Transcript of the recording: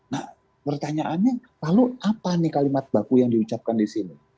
nah pertanyaannya lalu apa nih kalimat baku yang diucapkan di sini